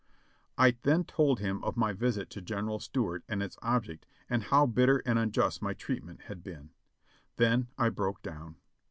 I then told him of my visit to General Stuart and its object, and how bitter and unjust my treatment had been. Then I broke down.